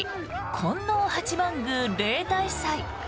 金王八幡宮例大祭。